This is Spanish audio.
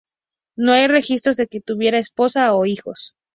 No hay registros de que tuviera esposa o hijos.